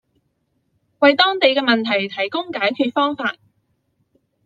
為當地的問題提供解方